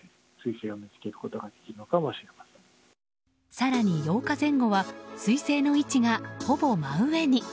更に、８日前後は彗星の位置がほぼ真上に。